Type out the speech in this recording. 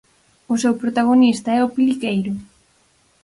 O seu protagonista é o Peliqueiro.